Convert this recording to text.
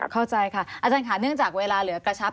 เข้าใจค่ะอาจารย์ค่ะเนื่องจากเวลาเหลือกระชับ